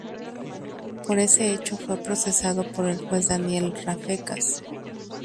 Por ese hecho fue procesado por el juez Daniel Rafecas.